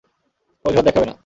অযুহাত দেখাবে না।